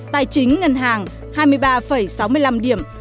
tài chính ngân hàng hai mươi ba sáu mươi năm điểm